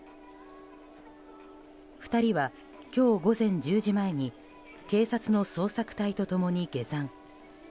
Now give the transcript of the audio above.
２人は、今日午前１０時前に警察の捜索隊と共に下山。